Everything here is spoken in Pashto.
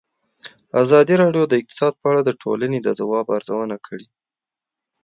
ازادي راډیو د اقتصاد په اړه د ټولنې د ځواب ارزونه کړې.